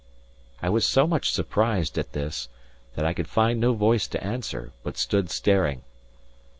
I was so much surprised at this, that I could find no voice to answer, but stood staring.